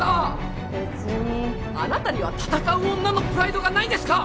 あなたには戦う女のプライドがないんですか？